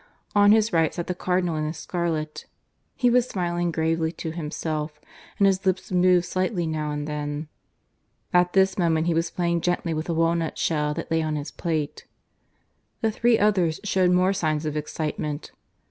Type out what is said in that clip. On his right sat the Cardinal in his scarlet. He was smiling gravely to himself, and his lips moved slightly now and then. At this moment he was playing gently with a walnut shell that lay on his plate. The three others showed more signs of excitement.